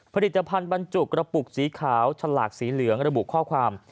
ผลิตภัณฑ์บรรจุกระปุกสีขาวฉลากสีเหลืองระบุข้อความ